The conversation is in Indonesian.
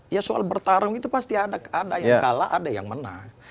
ya soal bertarung itu pasti ada yang kalah ada yang menang